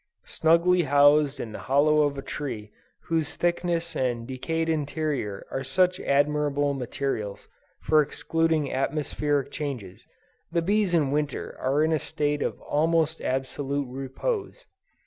Snugly housed in the hollow of a tree whose thickness and decayed interior are such admirable materials for excluding atmospheric changes, the bees in Winter are in a state of almost absolute repose.